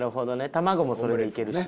卵もそれでいけるし。